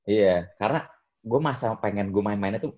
iya karena gue masa pengen gue main mainnya tuh